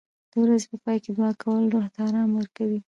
د ورځې په پای کې دعا کول روح ته آرام ورکوي.